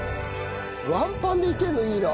ワンパンでいけるのいいな！